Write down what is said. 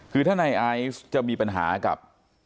คือถ้าในไอซ์จะมีปัญหากับ